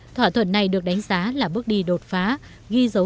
thỏa thuận này được đánh giá là bước đầu